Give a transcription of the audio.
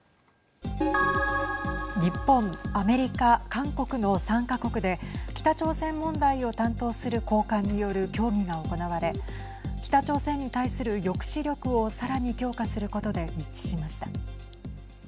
日本、アメリカ、韓国の３か国で北朝鮮問題を担当する高官による協議が行われ、北朝鮮に対する抑止力を、さらに強化することで一致しました。